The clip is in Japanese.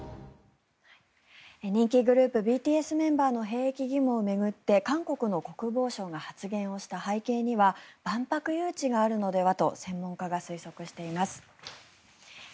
人気グループＢＴＳメンバーの兵役義務を巡って韓国の国防相が発言をした背景には万博誘致があるのではと専門家が推測しています。